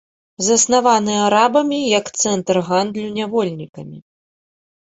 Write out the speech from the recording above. Заснаваны арабамі як цэнтр гандлю нявольнікамі.